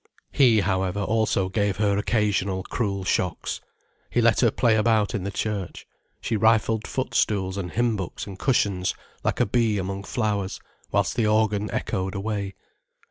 He, however, also gave her occasional cruel shocks. He let her play about in the church, she rifled foot stools and hymn books and cushions, like a bee among flowers, whilst the organ echoed away.